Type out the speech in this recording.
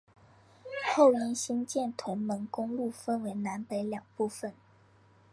后因兴建屯门公路分为南北两部份。